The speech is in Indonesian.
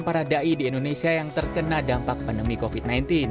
dan para dai di indonesia yang terkena dampak pandemi covid sembilan belas